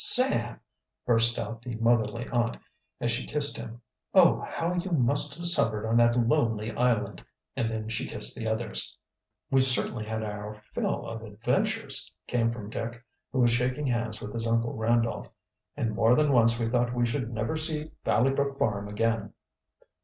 "Sam!" burst out the motherly aunt, as she kissed him. "Oh, how you must have suffered on that lonely island!" And then she kissed the others. "We've certainly had our fill of adventures," came from Dick, who was shaking hands with his Uncle Randolph. "And more than once we thought we should never see Valley Brook farm again."